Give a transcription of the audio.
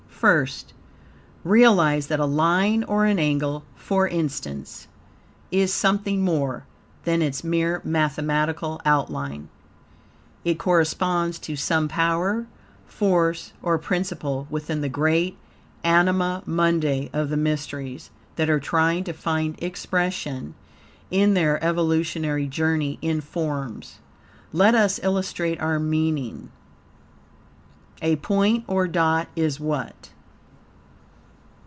First, realize that a line or an angle, for instance, is something more than its mere mathematical outline. It corresponds to some power, force, or principle within the great Anima Mundi of the mysteries, that are trying to find expression, in their evolutionary journey, in forms. Let us illustrate our meaning. A point or dot is what?